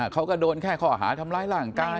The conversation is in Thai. เขาก็โดนแค่ข้อหาทำร้ายร่างกาย